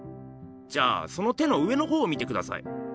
じゃあその手の上のほうを見てください。